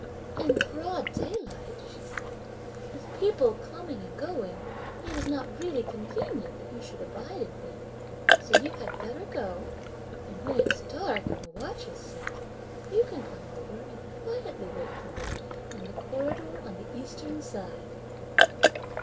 "In broad daylight," she said, "with people coming and going, it is not really convenient that you should abide in here; so you had better go, and when it's dark and the watch is set, you can come over, and quietly wait for me in the corridor on the Eastern side!"